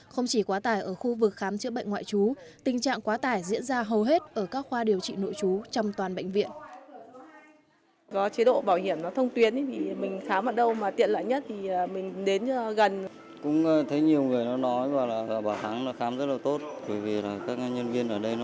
không chỉ quá tải ở khu vực khám chữa bệnh ngoại trú tình trạng quá tải diễn ra hầu hết ở các khoa điều trị nội trú trong toàn bệnh viện